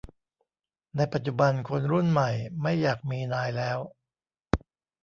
ในปัจจุบันคนรุ่นใหม่ไม่อยากมีนายแล้ว